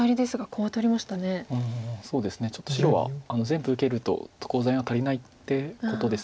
うんそうですねちょっと白は全部受けるとコウ材が足りないってことです。